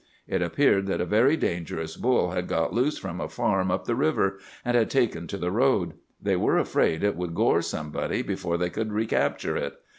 It appeared that a very dangerous bull had got loose from a farm up the river, and had taken to the road. They were afraid it would gore somebody before they could recapture it.